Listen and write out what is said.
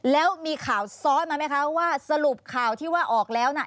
แล้วมีข่าวซ้อนมาไหมคะว่าสรุปข่าวที่ว่าออกแล้วน่ะ